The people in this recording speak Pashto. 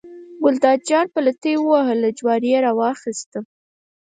ګلداد خان پلتۍ ووهله، جواری یې راواخیست.